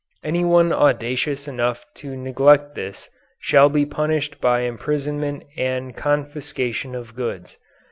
Anyone audacious enough to neglect this shall be punished by imprisonment and confiscation of goods.